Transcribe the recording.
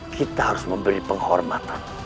kita harus memberi penghormatan